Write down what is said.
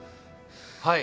はい。